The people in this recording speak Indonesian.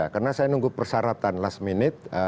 karena saya nunggu persyaratan last minute